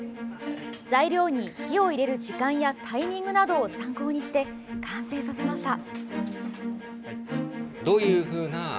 材料に火を入れる時間やタイミングなどを参考にして完成させました。